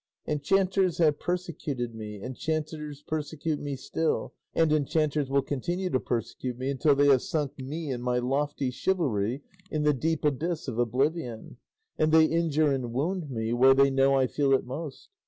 Enchanters have persecuted me, enchanters persecute me still, and enchanters will continue to persecute me until they have sunk me and my lofty chivalry in the deep abyss of oblivion; and they injure and wound me where they know I feel it most.